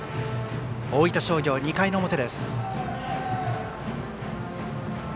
大分商業、２回の表です。